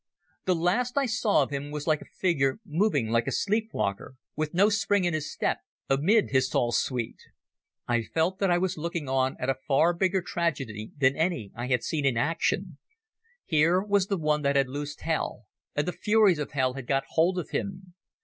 The last I saw of him was a figure moving like a sleep walker, with no spring in his step, amid his tall suite. I felt that I was looking on at a far bigger tragedy than any I had seen in action. Here was one that had loosed Hell, and the furies of Hell had got hold of him.